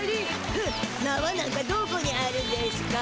ふんなわなんかどこにあるんでしゅか？